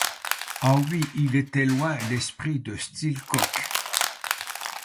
Ah ! oui, il était loin, l'esprit de Steelcock !